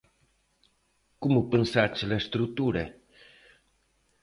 Como pensaches a estrutura?